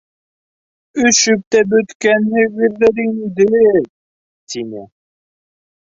Өшөп тә бөткәнһегеҙҙер инде, — тине.